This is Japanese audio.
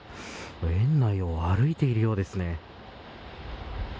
園内を歩いているようですね。